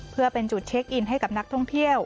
เพื่อเป็นจุดเช็คอินให้กับนักท่องเที่ยว